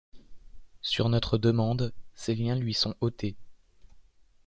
Sur notre demande, ses liens lui sont ôtés.